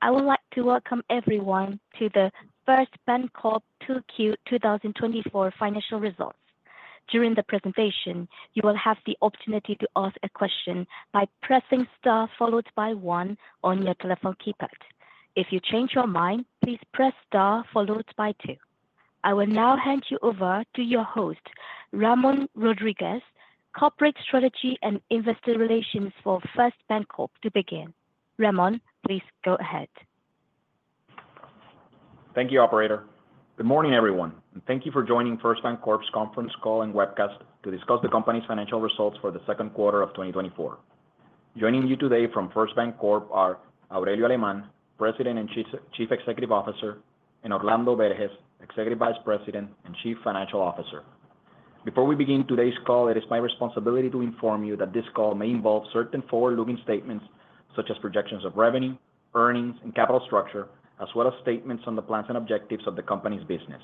I would like to welcome everyone to the First BanCorp 2Q 2024 financial results. During the presentation, you will have the opportunity to ask a question by pressing star followed by one on your telephone keypad. If you change your mind, please press star followed by two. I will now hand you over to your host, Ramon Rodríguez, Corporate Strategy and Investor Relations for First BanCorp, to begin. Ramon, please go ahead. Thank you, Operator. Good morning, everyone, and thank you for joining First BanCorp's conference call and webcast to discuss the company's financial results for the second quarter of 2024. Joining you today from First BanCorp are Aurelio Alemán, President and Chief Executive Officer, and Orlando Berges, Executive Vice President and Chief Financial Officer. Before we begin today's call, it is my responsibility to inform you that this call may involve certain forward-looking statements such as projections of revenue, earnings, and capital structure, as well as statements on the plans and objectives of the company's business.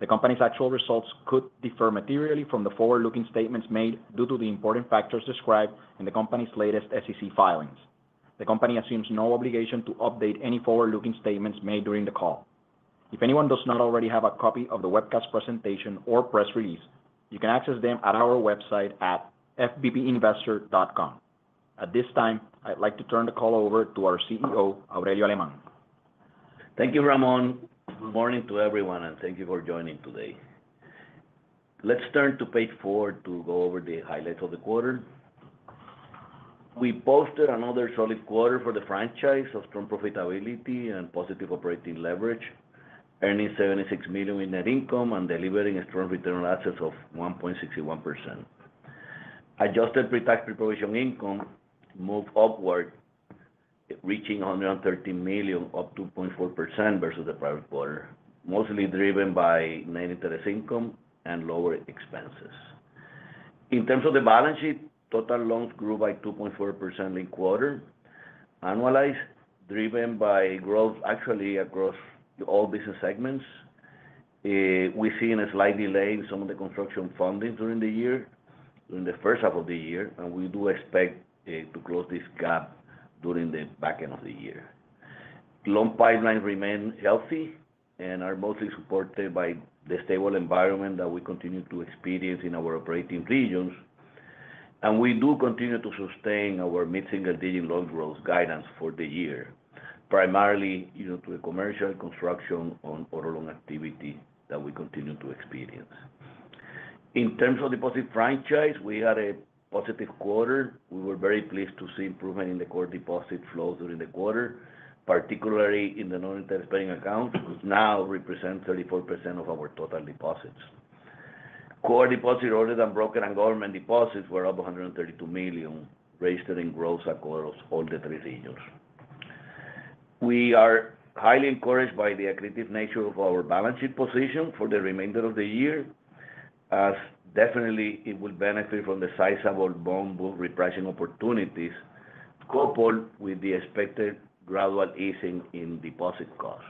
The company's actual results could differ materially from the forward-looking statements made due to the important factors described in the company's latest SEC filings. The company assumes no obligation to update any forward-looking statements made during the call. If anyone does not already have a copy of the webcast presentation or press release, you can access them at our website at fbbinvestor.com. At this time, I'd like to turn the call over to our CEO, Aurelio Alemán. Thank you, Ramon. Good morning to everyone, and thank you for joining today. Let's turn to page four to go over the highlights of the quarter. We posted another solid quarter for the franchise of strong profitability and positive operating leverage, earning $76 million in net income and delivering a strong return on assets of 1.61%. Adjusted pre-tax pre-provision income moved upward, reaching $113 million, up 2.4% versus the prior quarter, mostly driven by net interest income and lower expenses. In terms of the balance sheet, total loans grew by 2.4% in quarter, annualized, driven by growth actually across all business segments. We see a slight delay in some of the construction funding during the year, during the first half of the year, and we do expect to close this gap during the back end of the year. Loan pipelines remain healthy and are mostly supported by the stable environment that we continue to experience in our operating regions. We do continue to sustain our mid-single-digit loan growth guidance for the year, primarily due to the commercial construction and auto loan activity that we continue to experience. In terms of deposit franchise, we had a positive quarter. We were very pleased to see improvement in the core deposit flow during the quarter, particularly in the non-interest-bearing accounts, which now represent 34% of our total deposits. Core deposits, other than broker and government deposits, were up $132 million, registering growth across all the three regions. We are highly encouraged by the aggressive nature of our balance sheet position for the remainder of the year, as definitely it will benefit from the sizable bond repricing opportunities, coupled with the expected gradual easing in deposit costs.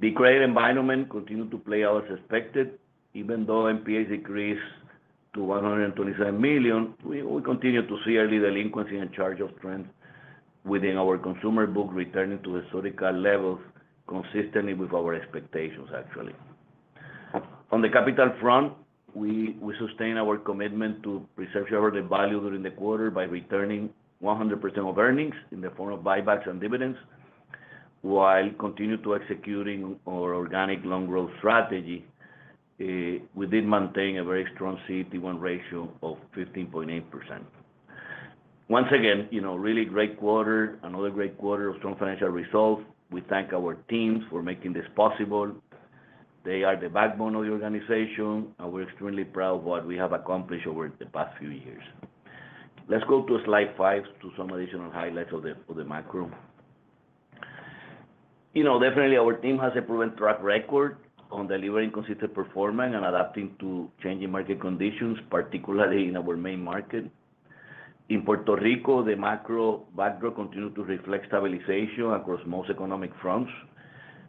The credit environment continued to play out as expected. Even though NPAs decreased to $127 million, we continue to see early delinquency and charge-off trends within our consumer book, returning to historical levels consistently with our expectations, actually. On the capital front, we sustain our commitment to preserve shareholder value during the quarter by returning 100% of earnings in the form of buybacks and dividends, while continuing to execute our organic loan growth strategy. We did maintain a very strong CET1 ratio of 15.8%. Once again, really great quarter, another great quarter of strong financial results. We thank our teams for making this possible. They are the backbone of the organization, and we're extremely proud of what we have accomplished over the past few years. Let's go to slide five to some additional highlights of the macro. Definitely, our team has a proven track record on delivering consistent performance and adapting to changing market conditions, particularly in our main market. In Puerto Rico, the macro backdrop continues to reflect stabilization across most economic fronts,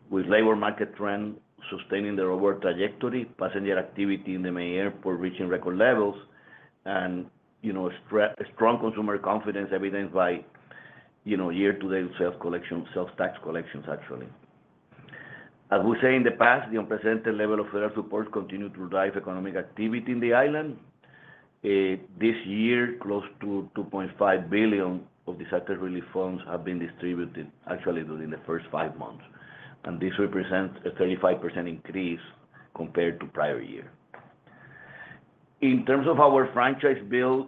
with labor market trends sustaining their overall trajectory, passenger activity in the main airport reaching record levels, and strong consumer confidence evident by year-to-date sales collection, sales tax collections, actually. As we said in the past, the unprecedented level of federal support continued to drive economic activity in the island. This year, close to $2.5 billion of disaster relief funds have been distributed, actually, during the first five months. And this represents a 35% increase compared to the prior year. In terms of our franchise bill,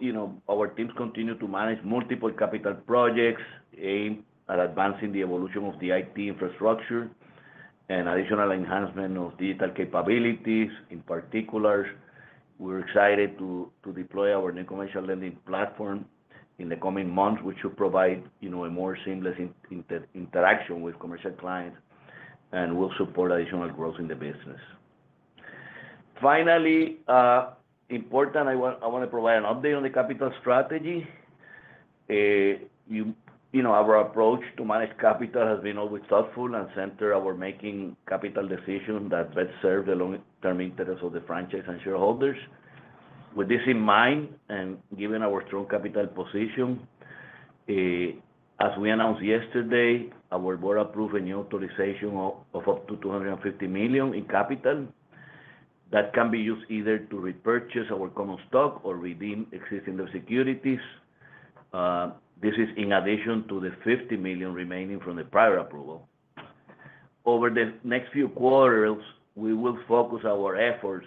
our teams continue to manage multiple capital projects aimed at advancing the evolution of the IT infrastructure and additional enhancement of digital capabilities. In particular, we're excited to deploy our new commercial lending platform in the coming months, which should provide a more seamless interaction with commercial clients and will support additional growth in the business. Finally, importantly, I want to provide an update on the capital strategy. Our approach to manage capital has been always thoughtful and centered on making capital decisions that best serve the long-term interests of the franchise and shareholders. With this in mind and given our strong capital position, as we announced yesterday, our board approved a new authorization of up to $250 million in capital that can be used either to repurchase our common stock or redeem existing securities. This is in addition to the $50 million remaining from the prior approval. Over the next few quarters, we will focus our efforts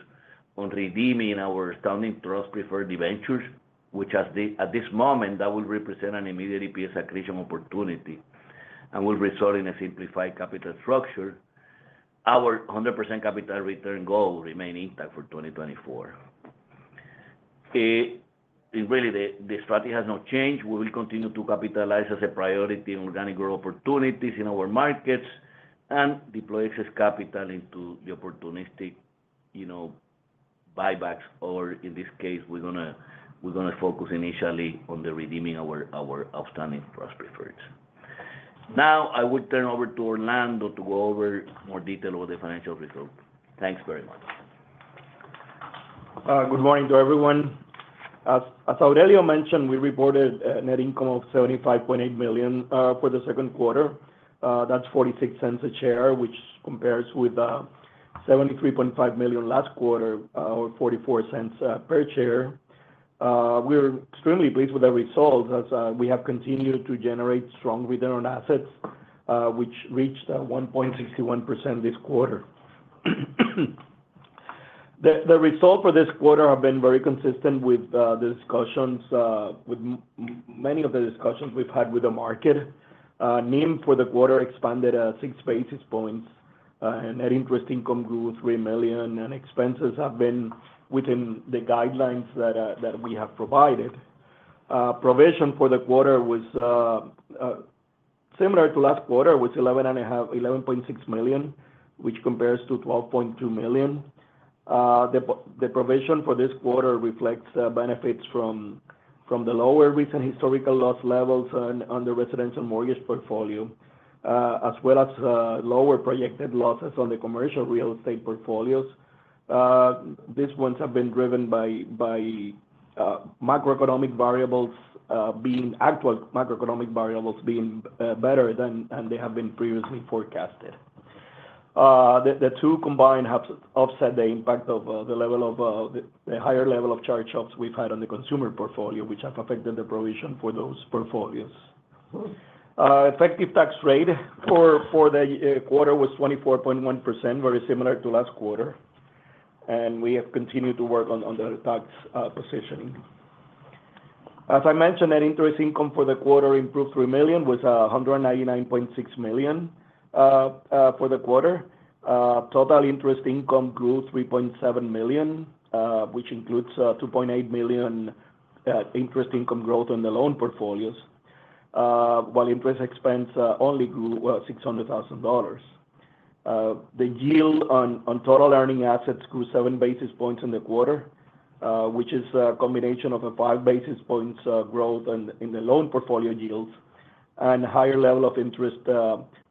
on redeeming our outstanding trust preferred securities, which at this moment will represent an immediate EPS accretion opportunity and will result in a simplified capital structure. Our 100% capital return goal will remain intact for 2024. Really, the strategy has not changed. We will continue to capitalize as a priority on organic growth opportunities in our markets and deploy excess capital into the opportunistic buybacks. Or in this case, we're going to focus initially on redeeming our outstanding trust preferreds. Now, I will turn over to Orlando to go over more detail of the financial results. Thanks very much. Good morning to everyone. As Aurelio mentioned, we reported a net income of $75.8 million for the second quarter. That's $0.46 a share, which compares with $73.5 million last quarter, or $0.44 per share. We're extremely pleased with the results as we have continued to generate strong return on assets, which reached 1.61% this quarter. The results for this quarter have been very consistent with the discussions, with many of the discussions we've had with the market. NIM for the quarter expanded 6 basis points, and net interest income grew $3 million, and expenses have been within the guidelines that we have provided. Provision for the quarter was similar to last quarter, with $11.6 million, which compares to $12.2 million. The provision for this quarter reflects benefits from the lower recent historical loss levels on the residential mortgage portfolio, as well as lower projected losses on the commercial real estate portfolios. These ones have been driven by macroeconomic variables, being actual macroeconomic variables being better than they have been previously forecasted. The two combined have offset the impact of the higher level of charge-offs we've had on the consumer portfolio, which have affected the provision for those portfolios. Effective tax rate for the quarter was 24.1%, very similar to last quarter. And we have continued to work on the tax positioning. As I mentioned, net interest income for the quarter improved $3 million with $199.6 million for the quarter. Total interest income grew $3.7 million, which includes $2.8 million interest income growth on the loan portfolios, while interest expense only grew $600,000. The yield on total earning assets grew seven basis points in the quarter, which is a combination of a five basis points growth in the loan portfolio yields and higher level of interest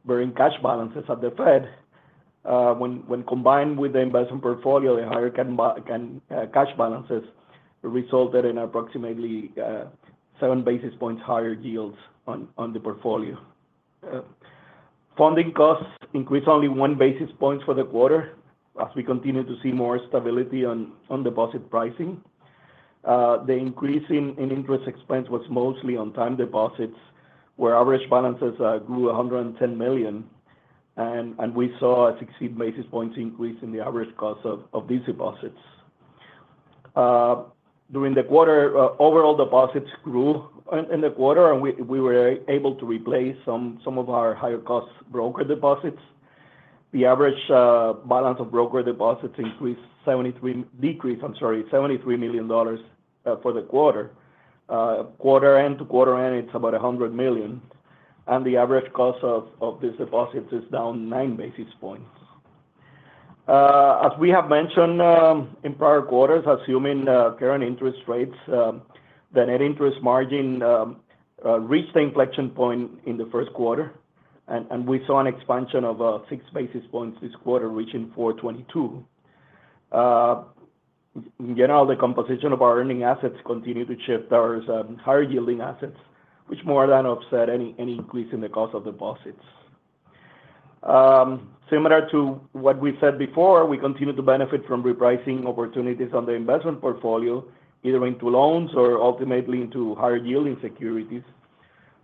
bearing cash balances at the Fed. When combined with the investment portfolio, the higher cash balances resulted in approximately seven basis points higher yields on the portfolio. Funding costs increased only one basis point for the quarter as we continue to see more stability on deposit pricing. The increase in interest expense was mostly on time deposits, where average balances grew $110 million. We saw a 16 basis points increase in the average cost of these deposits. During the quarter, overall deposits grew in the quarter, and we were able to replace some of our higher-cost broker deposits. The average balance of broker deposits increased $73 million, decreased, I'm sorry, $73 million for the quarter. Quarter end to quarter end, it's about $100 million. The average cost of these deposits is down 9 basis points. As we have mentioned in prior quarters, assuming current interest rates, the net interest margin reached the inflection point in the first quarter. We saw an expansion of 6 basis points this quarter, reaching 422. In general, the composition of our earning assets continued to shift towards higher-yielding assets, which more than offset any increase in the cost of deposits. Similar to what we said before, we continue to benefit from repricing opportunities on the investment portfolio, either into loans or ultimately into higher-yielding securities.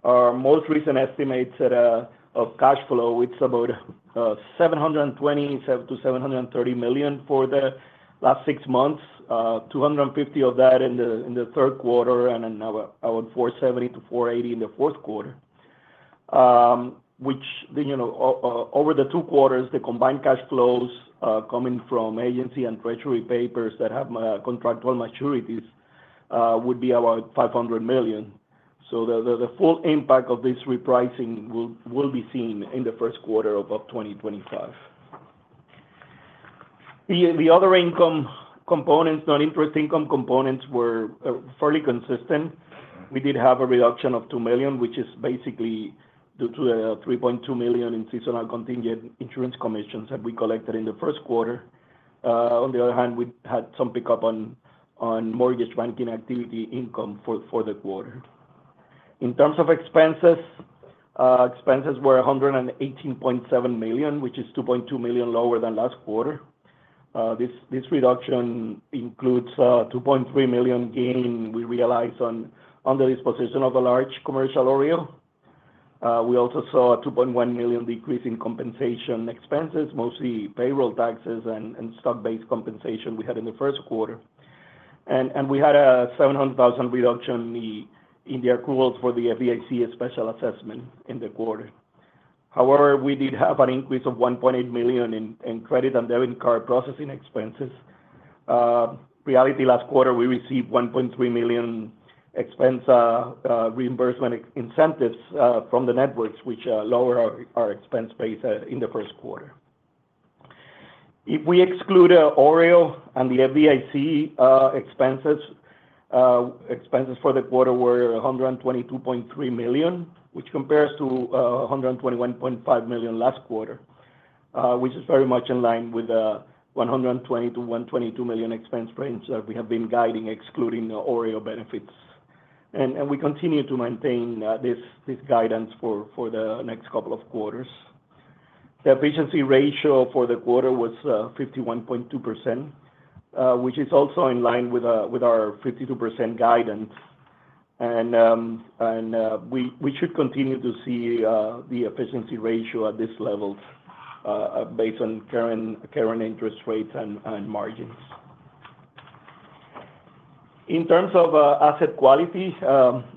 Our most recent estimates of cash flow, it's about $720 million-$730 million for the last six months, $250 million of that in the third quarter and about $470 million-$480 million in the fourth quarter. Which over the two quarters, the combined cash flows coming from agency and treasury papers that have contractual maturities would be about $500 million. So the full impact of this repricing will be seen in the first quarter of 2025. The other income components, non-interest income components were fairly consistent. We did have a reduction of $2 million, which is basically due to the $3.2 million in seasonal contingent insurance commissions that we collected in the first quarter. On the other hand, we had some pickup on mortgage banking activity income for the quarter. In terms of expenses, expenses were $118.7 million, which is $2.2 million lower than last quarter. This reduction includes a $2.3 million gain we realized on the disposition of a large commercial OREO. We also saw a $2.1 million decrease in compensation expenses, mostly payroll taxes and stock-based compensation we had in the first quarter. We had a $700,000 reduction in the accruals for the FDIC special assessment in the quarter. However, we did have an increase of $1.8 million in credit and debit card processing expenses. Actually last quarter, we received $1.3 million expense reimbursement incentives from the networks, which lowered our expense base in the first quarter. If we exclude OREO and the FDIC expenses, expenses for the quarter were $122.3 million, which compares to $121.5 million last quarter, which is very much in line with the $120 million-$122 million expense range that we have been guiding excluding OREO benefits. We continue to maintain this guidance for the next couple of quarters. The efficiency ratio for the quarter was 51.2%, which is also in line with our 52% guidance. We should continue to see the efficiency ratio at this level based on current interest rates and margins. In terms of asset quality,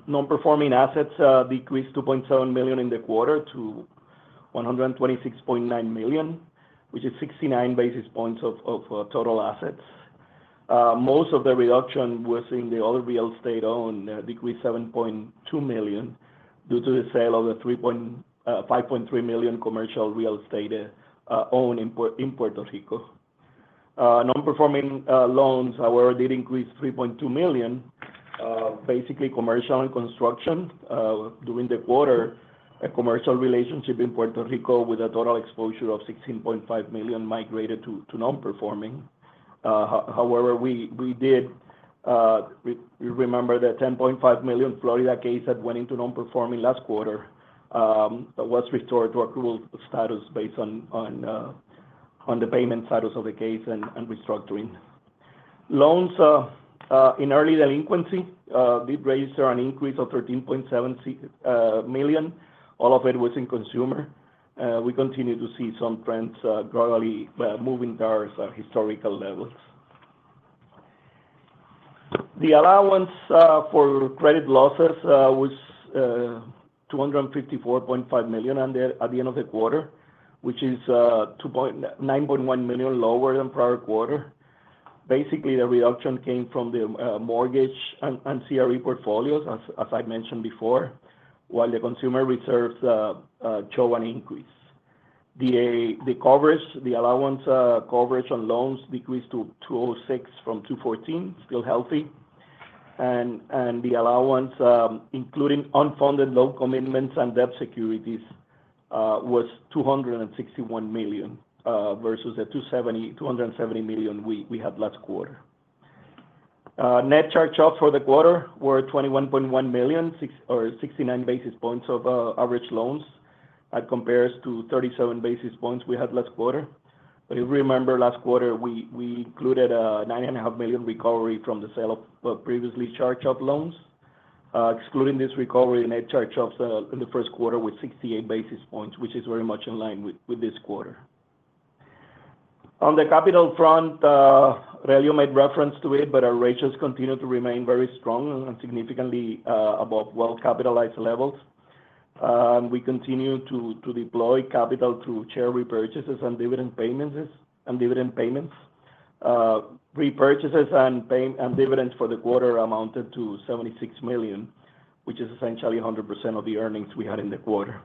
non-performing assets decreased $2.7 million in the quarter to $126.9 million, which is 69 basis points of total assets. Most of the reduction was in the other real estate owned, decreased $7.2 million due to the sale of the $5.3 million commercial real estate owned in Puerto Rico. Non-performing loans, however, did increase $3.2 million, basically commercial and construction. During the quarter, a commercial relationship in Puerto Rico with a total exposure of $16.5 million migrated to non-performing. However, we did remove the $10.5 million Florida case that went into non-performing last quarter was restored to accrual status based on the payment status of the case and restructuring. Loans in early delinquency did raise an increase of $13.7 million, all of it was in consumer. We continue to see some trends gradually moving towards historical levels. The allowance for credit losses was $254.5 million at the end of the quarter, which is $9.1 million lower than prior quarter. Basically, the reduction came from the mortgage and CRE portfolios, as I mentioned before, while the consumer reserves show an increase. The allowance coverage on loans decreased to 206 from 214, still healthy. The allowance, including unfunded loan commitments and debt securities, was $261 million versus the $270 million we had last quarter. Net charge-offs for the quarter were $21.1 million or 69 basis points of average loans as compared to 37 basis points we had last quarter. But if you remember last quarter, we included a $9.5 million recovery from the sale of previously charge-off loans. Excluding this recovery, net charge-offs in the first quarter were 68 basis points, which is very much in line with this quarter. On the capital front, Aurelio made reference to it, but our ratios continue to remain very strong and significantly above well-capitalized levels. We continue to deploy capital through share repurchases and dividend payments. Repurchases and dividends for the quarter amounted to $76 million, which is essentially 100% of the earnings we had in the quarter.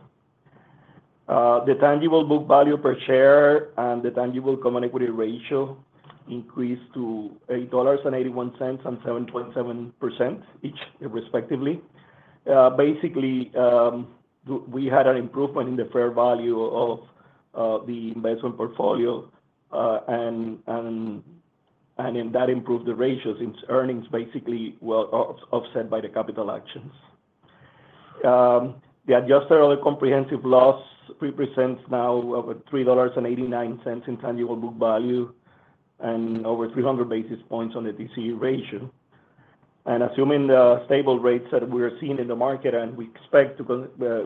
The tangible book value per share and the tangible common equity ratio increased to $8.81 and 7.7% each, respectively. Basically, we had an improvement in the fair value of the investment portfolio, and that improved the ratios. Earnings basically were offset by the capital actions. The adjusted other comprehensive loss represents now $3.89 in tangible book value and over 300 basis points on the TCE ratio. Assuming the stable rates that we are seeing in the market, and we expect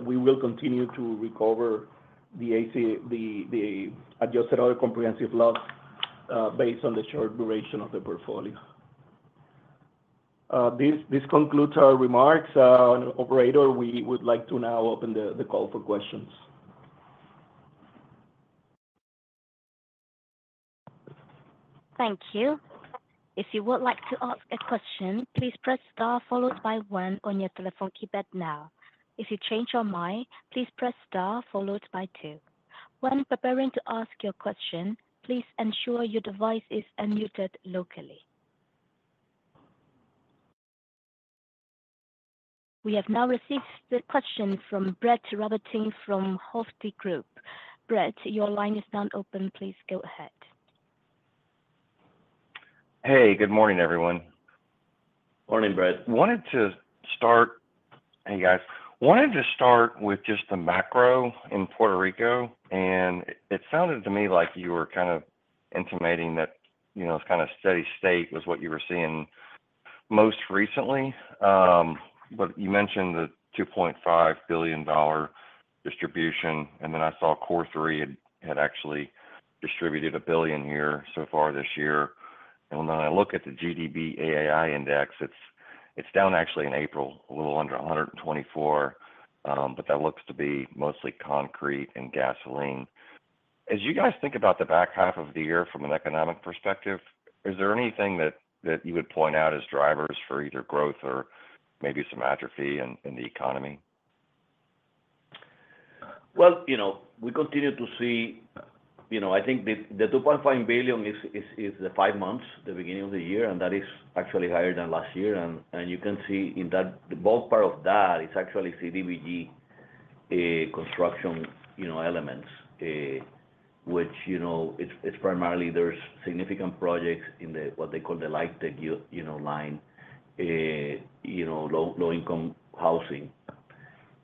we will continue to recover the adjusted other comprehensive loss based on the short duration of the portfolio. This concludes our remarks. Operator, we would like to now open the call for questions. Thank you. If you would like to ask a question, please press star followed by one on your telephone keypad now. If you change your mind, please press star followed by two. When preparing to ask your question, please ensure your device is unmuted locally. We have now received the question from Brett Robertson from Hovde Group. Brett, your line is now open. Please go ahead. Hey, good morning, everyone. Morning, Brett. Wanted to start, hey, guys. Wanted to start with just the macro in Puerto Rico. And it sounded to me like you were kind of intimating that kind of steady state was what you were seeing most recently. But you mentioned the $2.5 billion distribution. And then I saw COR3 had actually distributed $1 billion here so far this year. And when I look at the GDB EAI index, it's down actually in April, a little under 124. But that looks to be mostly concrete and gasoline. As you guys think about the back half of the year from an economic perspective, is there anything that you would point out as drivers for either growth or maybe some atrophy in the economy? Well, we continue to see, I think the $2.5 billion is the five months, the beginning of the year, and that is actually higher than last year. You can see in that the ballpark of that is actually CDBG construction elements, which it's primarily there's significant projects in what they call the LIHTC low-income housing.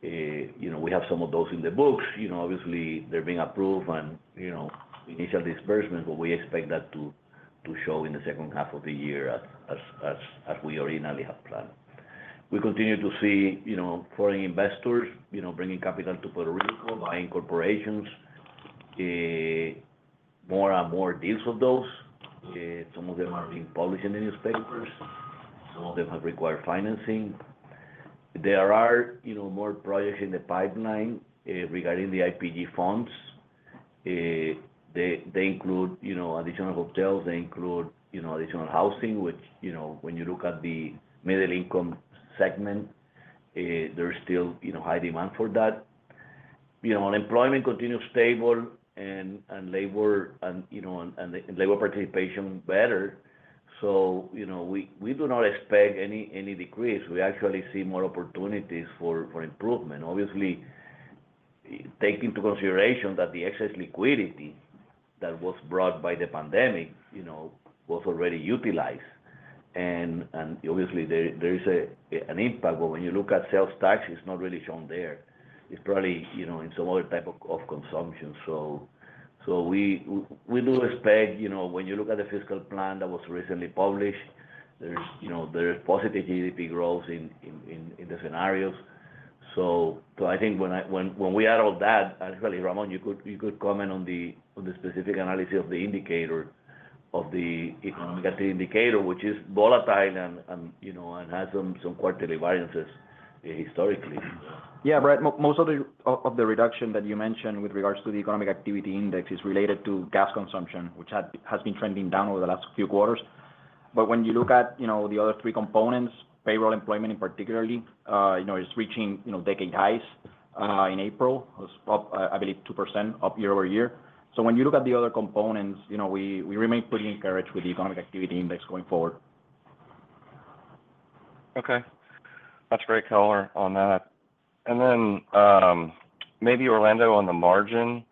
We have some of those in the books. Obviously, they're being approved on initial disbursements, but we expect that to show in the second half of the year as we originally have planned. We continue to see foreign investors bringing capital to Puerto Rico, buying corporations, more and more deals of those. Some of them are being published in the newspapers. Some of them have required financing. There are more projects in the pipeline regarding the CDBG funds. They include additional hotels. They include additional housing, which when you look at the middle-income segment, there's still high demand for that. Unemployment continues stable and labor participation better. So we do not expect any decrease. We actually see more opportunities for improvement. Obviously, taking into consideration that the excess liquidity that was brought by the pandemic was already utilized. And obviously, there is an impact. But when you look at sales tax, it's not really shown there. It's probably in some other type of consumption. So we do expect when you look at the fiscal plan that was recently published, there's positive GDP growth in the scenarios. So I think when we add all that, actually, Ramon, you could comment on the specific analysis of the indicator, of the economic activity indicator, which is volatile and has some quarterly variances historically. Yeah, Brett, most of the reduction that you mentioned with regards to the economic activity index is related to gas consumption, which has been trending down over the last few quarters. But when you look at the other three components, payroll, employment in particular, it's reaching decade highs in April. It's up, I believe, 2% up year-over-year. So when you look at the other components, we remain pretty encouraged with the economic activity index going forward. Okay. That's great color on that. And then maybe Orlando on the margin.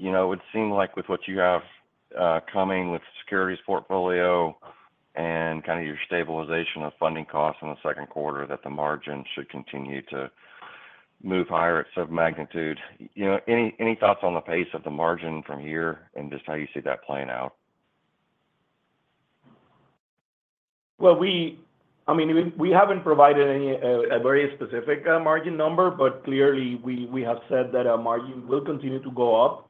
It would seem like with what you have coming with securities portfolio and kind of your stabilization of funding costs in the second quarter, that the margin should continue to move higher at some magnitude. Any thoughts on the pace of the margin from here and just how you see that playing out? Well, I mean, we haven't provided any very specific margin number, but clearly, we have said that our margin will continue to go up.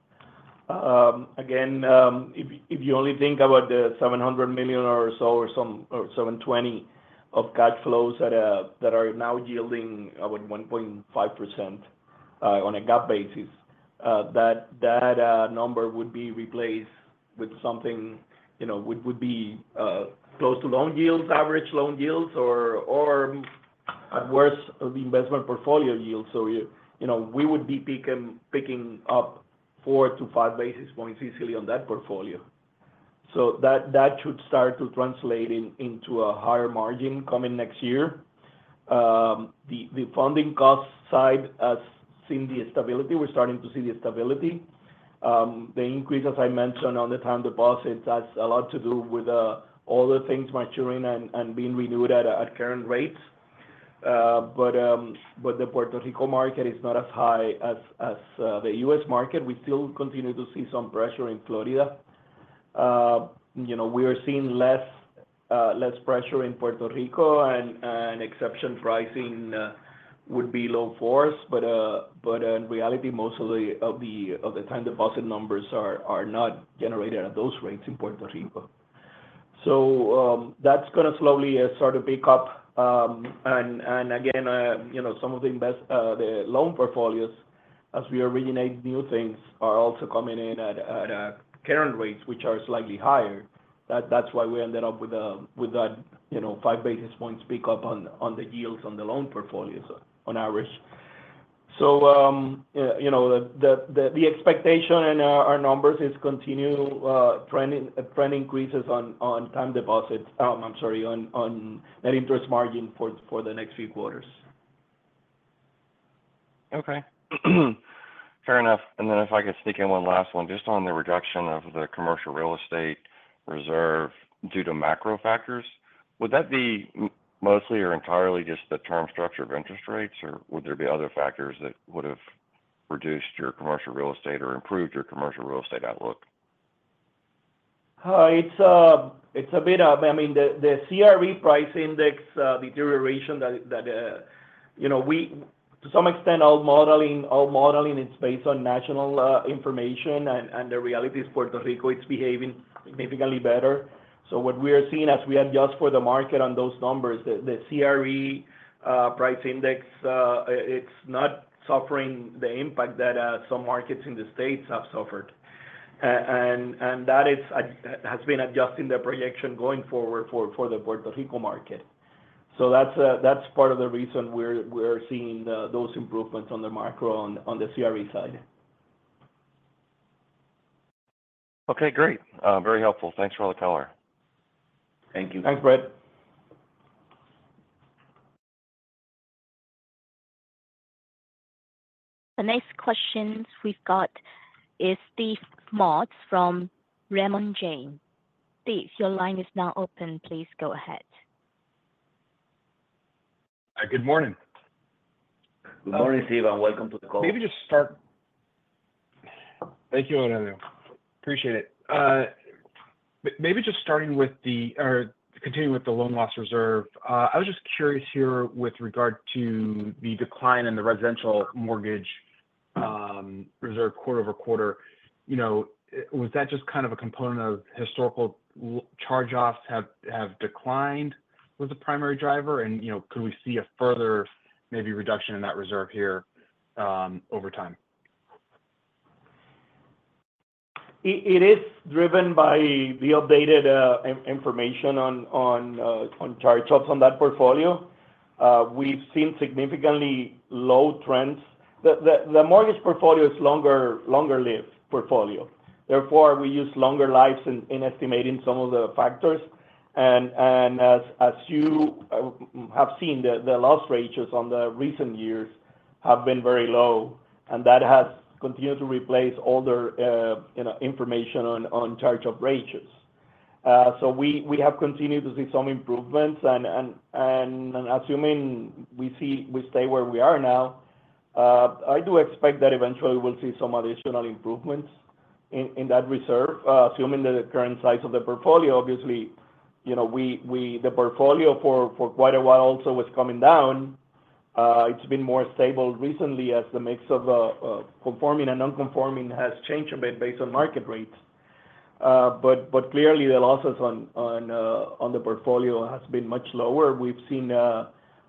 Again, if you only think about the $700 million or so or $720 million of cash flows that are now yielding about 1.5% on a GAAP basis, that number would be replaced with something which would be close to loan yields, average loan yields, or at worst, the investment portfolio yields. So we would be picking up 4-5 basis points easily on that portfolio. So that should start to translate into a higher margin coming next year. The funding cost side, as seen the stability, we're starting to see the stability. The increase, as I mentioned, on the time deposits has a lot to do with all the things maturing and being renewed at current rates. But the Puerto Rico market is not as high as the U.S. market. We still continue to see some pressure in Florida. We are seeing less pressure in Puerto Rico, and exception pricing would be low for us. But in reality, most of the time deposit numbers are not generated at those rates in Puerto Rico. So that's going to slowly start to pick up. And again, some of the loan portfolios, as we originate new things, are also coming in at current rates, which are slightly higher. That's why we ended up with that five basis points pickup on the yields on the loan portfolios on average. So the expectation and our numbers is continue trend increases on time deposits, I'm sorry, on net interest margin for the next few quarters. Okay. Fair enough. And then if I could sneak in one last one, just on the reduction of the commercial real estate reserve due to macro factors, would that be mostly or entirely just the term structure of interest rates, or would there be other factors that would have reduced your commercial real estate or improved your commercial real estate outlook? It's a bit of, I mean, the CRE price index deterioration that to some extent all modeling is based on national information. And the reality is Puerto Rico is behaving significantly better. So what we are seeing as we adjust for the market on those numbers, the CRE price index, it's not suffering the impact that some markets in the States have suffered. And that has been adjusting the projection going forward for the Puerto Rico market. So that's part of the reason we're seeing those improvements on the macro on the CRE side. Okay, great. Very helpful. Thanks for all the color. Thank you. Thanks, Brett. The next question we've got is Steve Smigie from Raymond James. Steve, your line is now open. Please go ahead. Good morning. Good morning, Steve. Welcome to the call. Maybe just start. Thank you, Aurelio. Appreciate it. Maybe just starting with the continuing with the loan loss reserve, I was just curious here with regard to the decline in the residential mortgage reserve quarter-over-quarter. Was that just kind of a component of historical charge-offs have declined was the primary driver? And could we see a further maybe reduction in that reserve here over time? It is driven by the updated information on charge-offs on that portfolio. We've seen significantly low trends. The mortgage portfolio is longer-lived portfolio. Therefore, we use longer lives in estimating some of the factors. As you have seen, the loss ratios on the recent years have been very low. That has continued to replace older information on charge-off ratios. We have continued to see some improvements. Assuming we stay where we are now, I do expect that eventually we'll see some additional improvements in that reserve, assuming the current size of the portfolio. Obviously, the portfolio for quite a while also was coming down. It's been more stable recently as the mix of conforming and non-conforming has changed a bit based on market rates. Clearly, the losses on the portfolio have been much lower. We've seen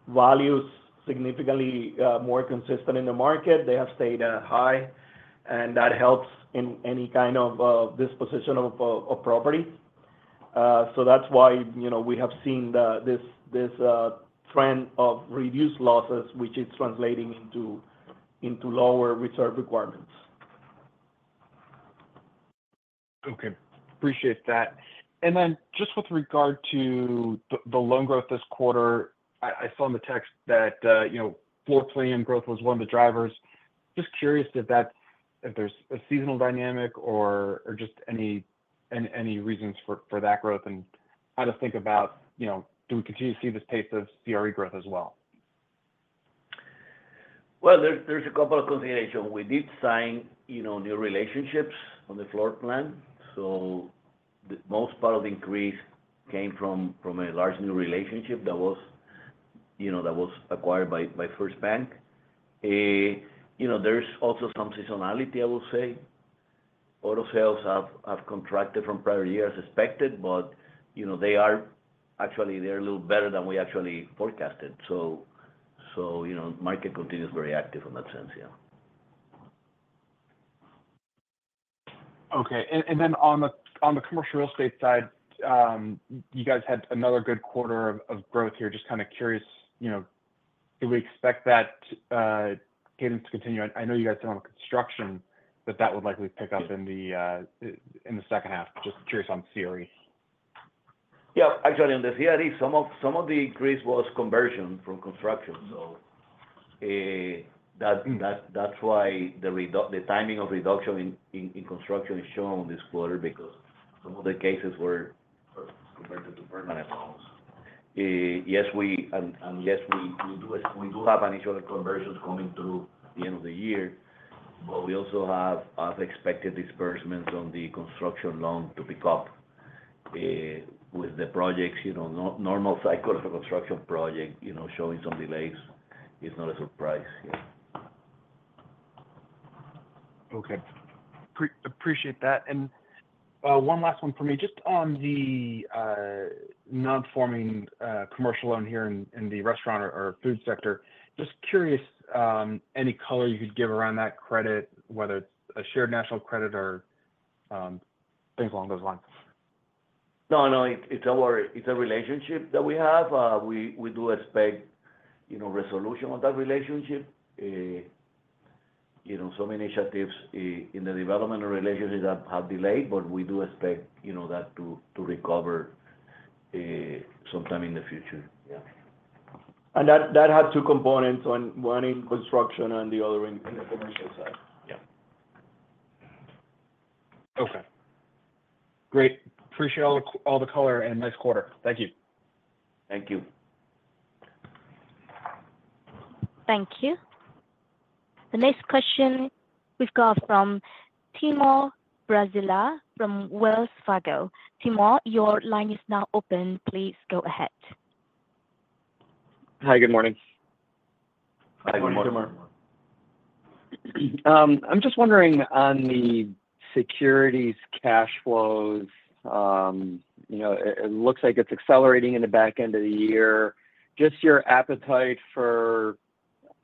values significantly more consistent in the market. They have stayed high. That helps in any kind of disposition of property. That's why we have seen this trend of reduced losses, which is translating into lower reserve requirements. Okay. Appreciate that. And then just with regard to the loan growth this quarter, I saw in the text that floor plan growth was one of the drivers. Just curious if there's a seasonal dynamic or just any reasons for that growth and how to think about, do we continue to see this pace of CRE growth as well? Well, there's a couple of considerations. We did sign new relationships on the floor plan. So most part of the increase came from a large new relationship that was acquired by FirstBank. There's also some seasonality, I will say. Auto sales have contracted from prior year as expected, but they are actually a little better than we actually forecasted. So the market continues very active in that sense, yeah. Okay. Then on the commercial real estate side, you guys had another good quarter of growth here. Just kind of curious, do we expect that cadence to continue? I know you guys are on construction, but that would likely pick up in the second half. Just curious on CRE. Yeah. Actually, on the CRE, some of the increase was conversion from construction. So that's why the timing of reduction in construction is shown this quarter because some of the cases were converted to permanent loans. Yes, we do have initial conversions coming through the end of the year. But we also have expected disbursements on the construction loan to pick up with the projects. Normal cycle of a construction project showing some delays is not a surprise. Okay. Appreciate that. One last one for me. Just on the non-performing commercial loan here in the restaurant or food sector, just curious any color you could give around that credit, whether it's a shared national credit or things along those lines. No, no. It's a relationship that we have. We do expect resolution of that relationship. Some initiatives in the developmental relationship have delayed, but we do expect that to recover sometime in the future. Yeah. That has two components, one in construction and the other in the commercial side. Yeah. Okay. Great. Appreciate all the color and nice quarter. Thank you. Thank you. Thank you. The next question we've got from Timur Braziler from Wells Fargo. Timur, your line is now open. Please go ahead. Hi, good morning. Hi, good morning. Morning, Timur. I'm just wondering on the securities cash flows; it looks like it's accelerating in the back end of the year. Just your appetite for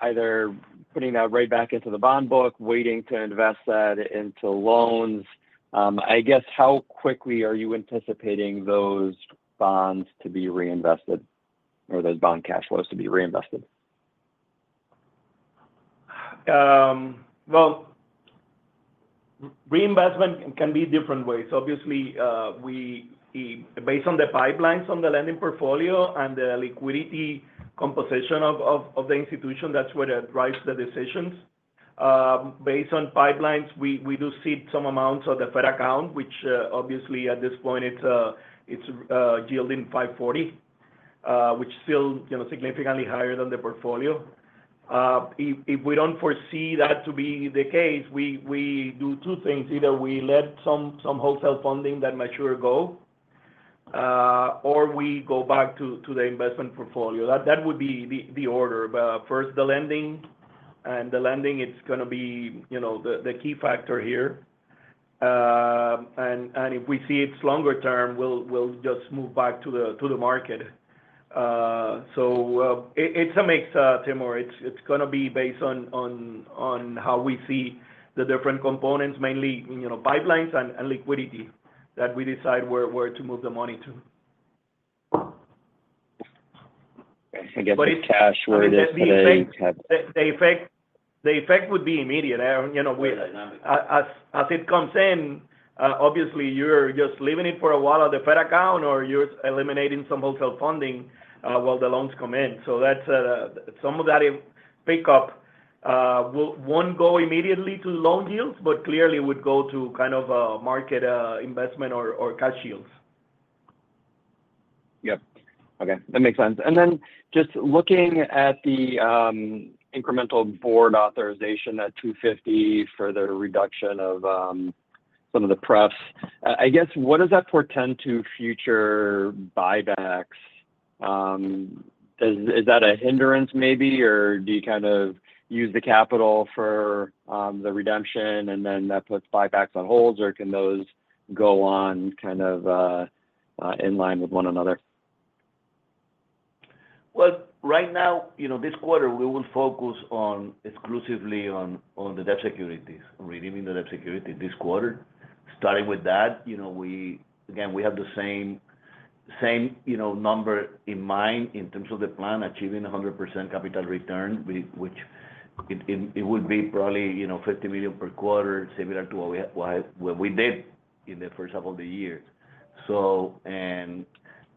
either putting that right back into the bond book, waiting to invest that into loans. I guess how quickly are you anticipating those bonds to be reinvested or those bond cash flows to be reinvested? Well, reinvestment can be different ways. Obviously, based on the pipelines on the lending portfolio and the liquidity composition of the institution, that's where it drives the decisions. Based on pipelines, we do see some amounts of the Fed account, which obviously at this point it's yielding 540, which is still significantly higher than the portfolio. If we don't foresee that to be the case, we do two things. Either we let some wholesale funding that mature go, or we go back to the investment portfolio. That would be the order. But first, the lending, and the lending, it's going to be the key factor here. And if we see it's longer term, we'll just move back to the market. So it's a mix, Timur. It's going to be based on how we see the different components, mainly pipelines and liquidity, that we decide where to move the money to. Again, this cash where it is being taken. The effect would be immediate. Real dynamic. As it comes in, obviously, you're just leaving it for a while on the Fed account, or you're eliminating some wholesale funding while the loans come in. So some of that pickup won't go immediately to loan yields, but clearly would go to kind of market investment or cash yields. Yep. Okay. That makes sense. Then just looking at the incremental board authorization at $250 for the reduction of some of the preps, I guess, what does that portend to future buybacks? Is that a hindrance maybe, or do you kind of use the capital for the redemption, and then that puts buybacks on hold, or can those go on kind of in line with one another? Well, right now, this quarter, we will focus exclusively on the debt securities, relieving the debt security this quarter. Starting with that, again, we have the same number in mind in terms of the plan, achieving 100% capital return, which it would be probably $50 million per quarter, similar to what we did in the first half of the year.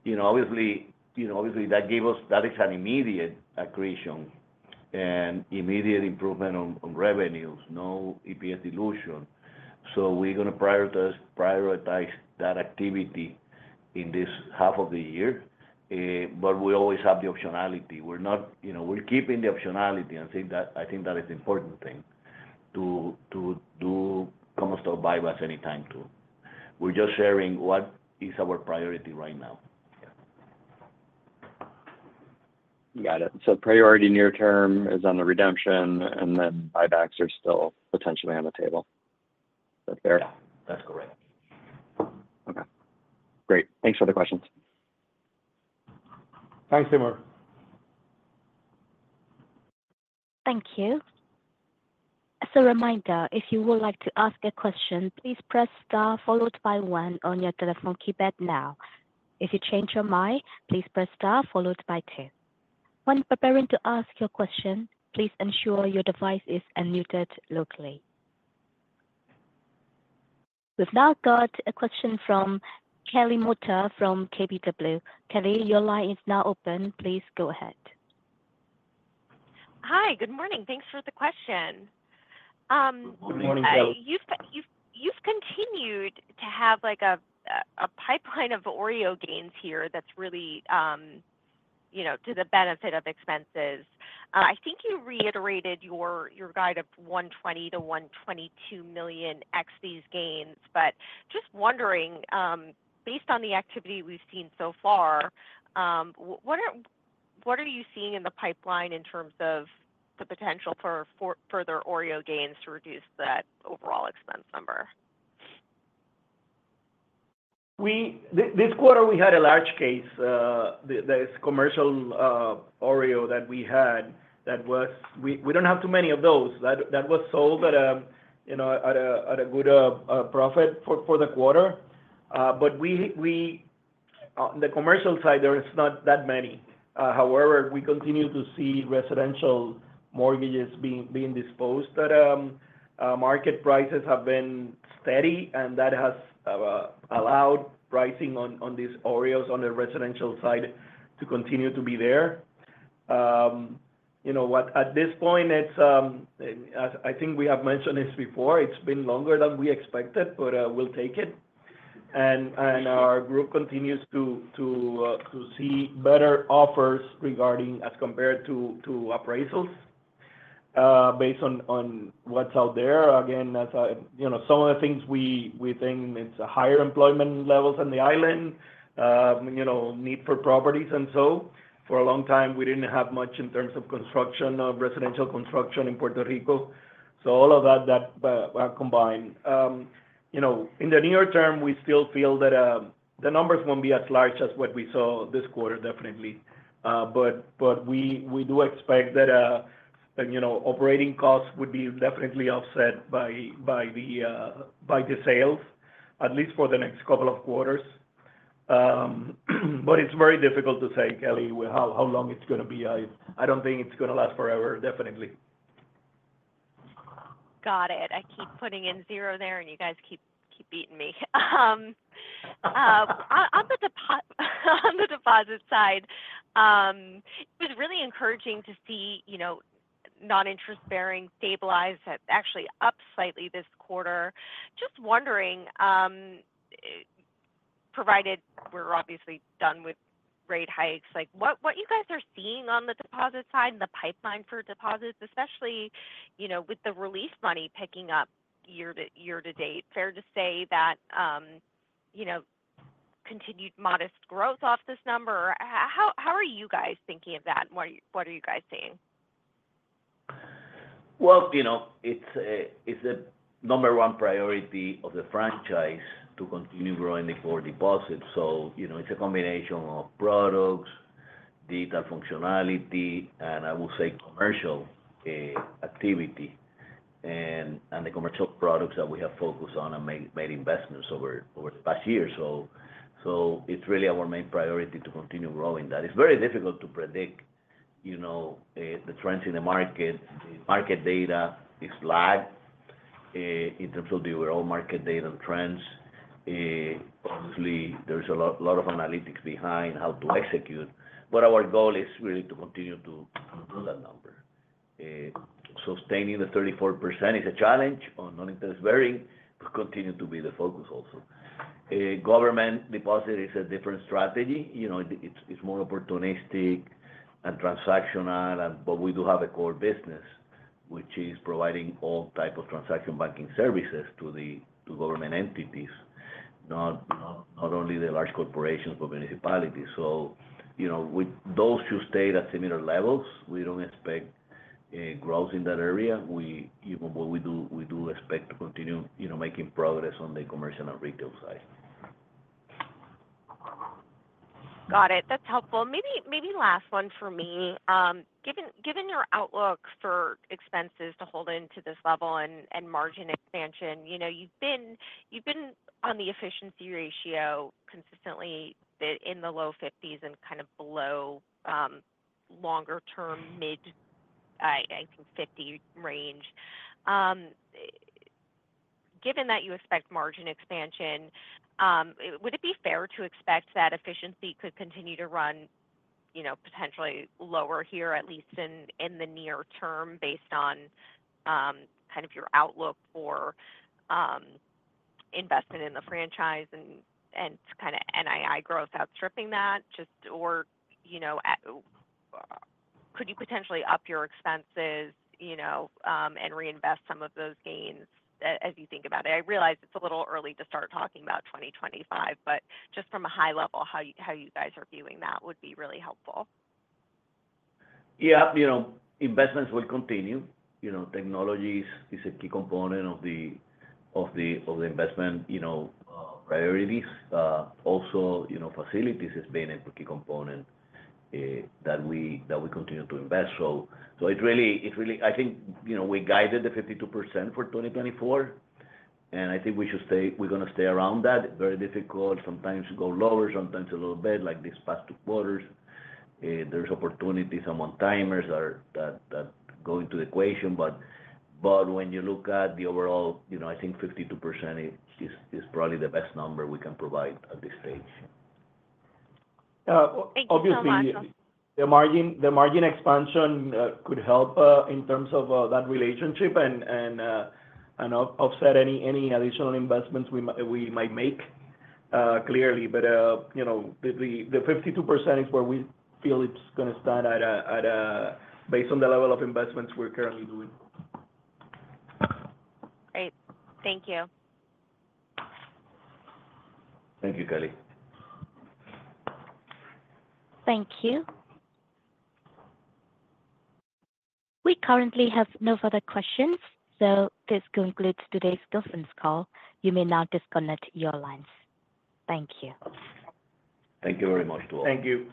And obviously, that gave us that is an immediate accretion and immediate improvement on revenues, no EPS dilution. So we're going to prioritize that activity in this half of the year. But we always have the optionality. We're keeping the optionality. I think that is an important thing to do common stock buybacks anytime too. We're just sharing what is our priority right now. Got it. So priority near term is on the redemption, and then buybacks are still potentially on the table. Is that fair? Yeah. That's correct. Okay. Great. Thanks for the questions. Thanks, Timor. Thank you. As a reminder, if you would like to ask a question, please press star followed by one on your telephone keypad now. If you change your mind, please press star followed by two. When preparing to ask your question, please ensure your device is unmuted locally. We've now got a question from Kelly Motta from KBW. Kelly, your line is now open. Please go ahead. Hi, good morning. Thanks for the question. Good morning, Kelly. You've continued to have a pipeline of OREO gains here that's really to the benefit of expenses. I think you reiterated your guide of $120-$122 million ex these gains. But just wondering, based on the activity we've seen so far, what are you seeing in the pipeline in terms of the potential for further OREO gains to reduce that overall expense number? This quarter, we had a large case. The commercial OREO that we had, we don't have too many of those. That was sold at a good profit for the quarter. But on the commercial side, there is not that many. However, we continue to see residential mortgages being disposed. Market prices have been steady, and that has allowed pricing on these OREOs on the residential side to continue to be there. At this point, I think we have mentioned this before, it's been longer than we expected, but we'll take it. And our group continues to see better offers as compared to appraisals based on what's out there. Again, some of the things we think it's a higher employment levels on the island, need for properties, and so for a long time, we didn't have much in terms of construction, residential construction in Puerto Rico. So all of that combined. In the near term, we still feel that the numbers won't be as large as what we saw this quarter, definitely. But we do expect that operating costs would be definitely offset by the sales, at least for the next couple of quarters. But it's very difficult to say, Kelly, how long it's going to be. I don't think it's going to last forever, definitely. Got it. I keep putting in 0 there, and you guys keep beating me. On the deposit side, it was really encouraging to see non-interest-bearing stabilize that actually up slightly this quarter. Just wondering, provided we're obviously done with rate hikes, what you guys are seeing on the deposit side, the pipeline for deposits, especially with the relief money picking up year to date, fair to say that continued modest growth off this number? How are you guys thinking of that? What are you guys seeing? Well, it's the number one priority of the franchise to continue growing the core deposits. So it's a combination of products, digital functionality, and I will say commercial activity. And the commercial products that we have focused on and made investments over the past year. So it's really our main priority to continue growing that. It's very difficult to predict the trends in the market. The market data is lagged in terms of the overall market data trends. Obviously, there's a lot of analytics behind how to execute. But our goal is really to continue to improve that number. Sustaining the 34% is a challenge on non-interest bearing will continue to be the focus also. Government deposit is a different strategy. It's more opportunistic and transactional. We do have a core business, which is providing all types of transaction banking services to government entities, not only the large corporations or municipalities. With those two states at similar levels, we don't expect growth in that area. What we do, we do expect to continue making progress on the commercial and retail side. Got it. That's helpful. Maybe last one for me. Given your outlook for expenses to hold into this level and margin expansion, you've been on the efficiency ratio consistently in the low 50s and kind of below longer term, mid, I think, 50 range. Given that you expect margin expansion, would it be fair to expect that efficiency could continue to run potentially lower here, at least in the near term based on kind of your outlook for investment in the franchise and kind of NII growth outstripping that? Or could you potentially up your expenses and reinvest some of those gains as you think about it? I realize it's a little early to start talking about 2025, but just from a high level, how you guys are viewing that would be really helpful. Yeah. Investments will continue. Technology is a key component of the investment priorities. Also, facilities has been a key component that we continue to invest. So it's really, I think we guided the 52% for 2024. And I think we're going to stay around that. Very difficult. Sometimes go lower, sometimes a little bit like these past two quarters. There's opportunities and one-timers that go into the equation. But when you look at the overall, I think 52% is probably the best number we can provide at this stage. Thank you so much. Obviously, the margin expansion could help in terms of that relationship and offset any additional investments we might make, clearly. The 52% is where we feel it's going to stand at based on the level of investments we're currently doing. Great. Thank you. Thank you, Kelly. Thank you. We currently have no further questions. So this concludes today's conference call. You may now disconnect your lines. Thank you. Thank you very much, to all. Thank you.